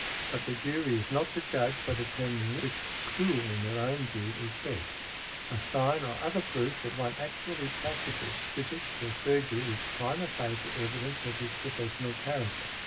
But the jury is not to judge by determining which school in their own view is best . A sign or other proof that one actually practises physic or surgery is prima facie evidence of his professional character .